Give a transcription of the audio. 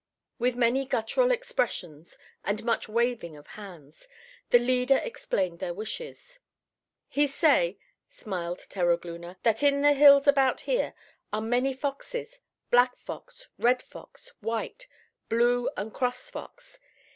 With many guttural expressions and much waving of hands, the leader explained their wishes. "He say," smiled Terogloona, "that in the hills about here are many foxes, black fox, red fox, white, blue and cross fox.